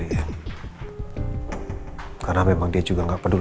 kutip angkat netean dia nunggu gitu dulu dua ribu dua puluh empat